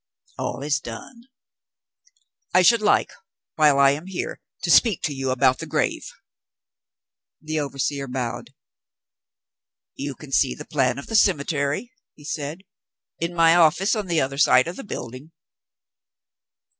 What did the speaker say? "All is done." "I should like, while I am here, to speak to you about the grave." The overseer bowed. "You can see the plan of the cemetery," he said, "in my office on the other side of the building."